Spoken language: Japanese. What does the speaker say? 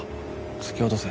突き落とせ。